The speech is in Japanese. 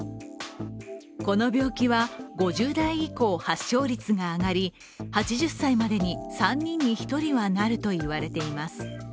この病気は５０代以降発症率が上がり、８０歳までに３人に１人はなるといわれています。